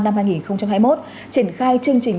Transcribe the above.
năm hai nghìn hai mươi một triển khai chương trình